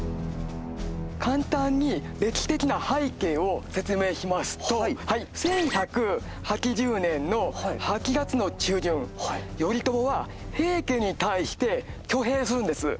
簡単に歴史的な背景を説明しますと１１８０年の８月の中旬頼朝は平家に対して挙兵するんです。